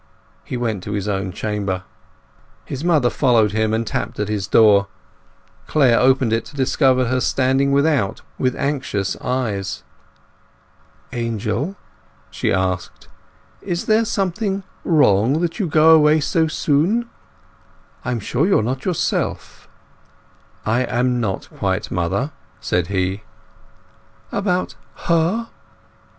He went to his own chamber. His mother followed him, and tapped at his door. Clare opened it to discover her standing without, with anxious eyes. "Angel," she asked, "is there something wrong that you go away so soon? I am quite sure you are not yourself." "I am not, quite, mother," said he. "About her?